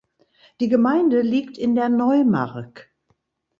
Die Gemeinde liegt in der Neumark.